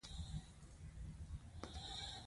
ما ورته وویل: له هغه وروسته به څه کېږي؟